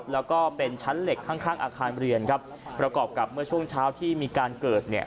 และเป็นชั้นเหล็กข้างอาคารประกอบกับเมื่อช่วงเช้าที่มีการเกิด